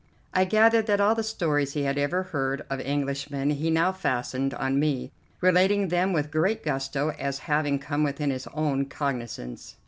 I gathered that all the stories he had ever heard of Englishmen he now fastened on me, relating them with great gusto as having come within his own cognizance.